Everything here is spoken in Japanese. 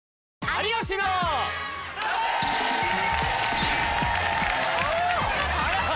あら！